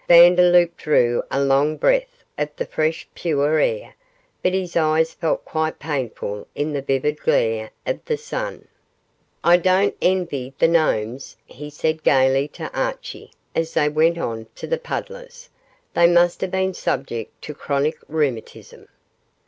Vandeloup drew a long breath of the fresh pure air, but his eyes felt quite painful in the vivid glare of the sun. "I don't envy the gnomes," he said gaily to Archie as they went on to the puddlers; "they must have been subject to chronic rheumatism."